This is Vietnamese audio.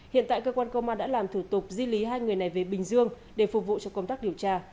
hiện tại cơ quan công an đã làm thủ tục di lý hai người này về bình dương để phục vụ cho công tác điều tra